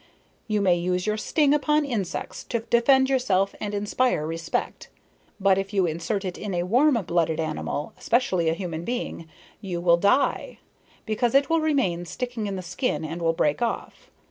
You may use your sting upon insects, to defend yourself and inspire respect, but if you insert it in a warm blooded animal, especially a human being, you will die, because it will remain sticking in the skin and will break off.